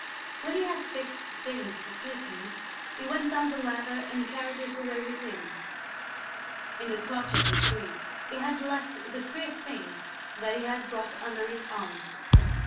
When he had fixed things to suit him, he went down the ladder and carried it away with him. In the crotch of the tree he had left the queer thing that he had brought under his arm.